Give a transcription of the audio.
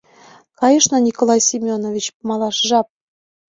— Кайышна, Николай Семенович, малаш жап.